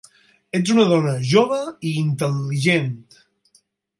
Ets una dona jove i intel·ligent.